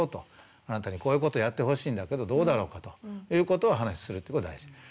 あなたにこういうことやってほしいんだけどどうだろうかということをお話しするってことが大事。